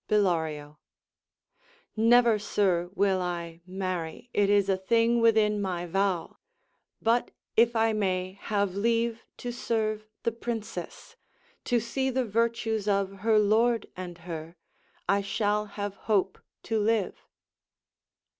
Bellario Never, sir, will I Marry; it is a thing within my vow: But if I may have leave to serve the princess, To see the virtues of her lord and her, I shall have hope to live.